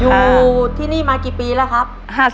อยู่ที่นี่มากี่ปีแล้วครับ